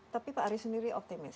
tapi pak aris sendiri optimis